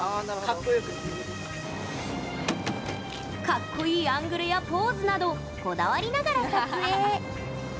かっこいいアングルやポーズなど、こだわりながら撮影。